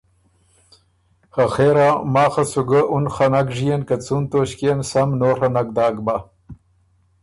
خه خېرا ماخه سو ګۀ اُن خه نک ژيېن که څُون توݭکيې ن سم نوڒه نک داک بَۀ۔